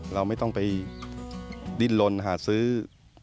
เราไม่ต้องไปดินลนหาซื้อทุกอย่าง